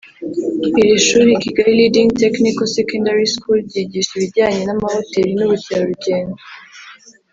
Iri shuri Kigali Leading Technical Secondary School ryigisha ibijyanye n’amahoteri n’ubukerarugendo